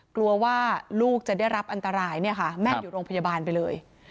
กลัวว่าลูกจะได้รับอันตรายเนี่ยค่ะแม่อยู่โรงพยาบาลไปเลย